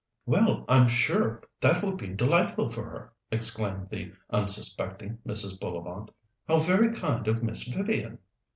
"Well, I'm sure that will be delightful for her!" exclaimed the unsuspecting Mrs. Bullivant. "How very kind of Miss Vivian!"